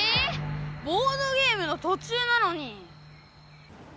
ボードゲームのとちゅうなのに！